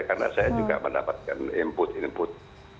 karena saya juga mendapatkan input input